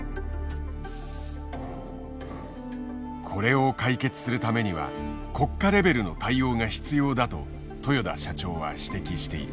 これを解決するためには国家レベルの対応が必要だと豊田社長は指摘している。